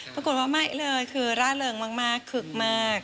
ปรากฏว่าไม่เลยคือร่าเริงมากคึกมาก